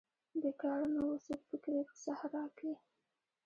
بیکار نه وو څوک په کلي په صحرا کې.